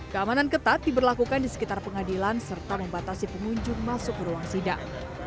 keamanan ketat diberlakukan di sekitar pengadilan serta membatasi pengunjung masuk ke ruang sidang